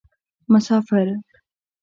مسافر